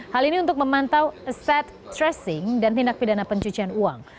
hal ini untuk memantau asset tracing dan tindak pidana pencucian uang